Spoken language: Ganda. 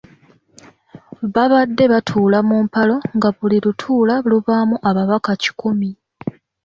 Babadde batuula mu mpalo nga buli lutuula lubaamu ababaka kikumi.